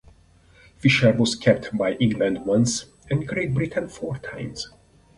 Fisher was capped by England once and Great Britain four times.